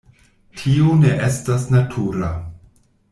Tio ne estas natura.